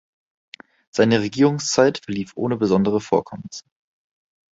Seine Regierungszeit verlief ohne besondere Vorkommnisse.